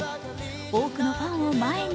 多くのファンを前に